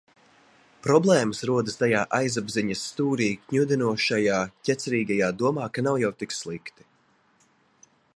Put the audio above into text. Problēmas rodas tajā aizapziņas stūri kņudinošajā ķecerīgajā domā, ka nav jau tik slikti.